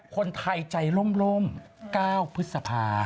คนไทยใจร่มเก้าพฤษภา